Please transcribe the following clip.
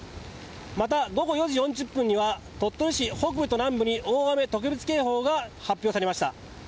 また午後４時４０分には鳥取市北部と南部に大雨特別警報が発表されました。